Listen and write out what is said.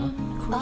あ！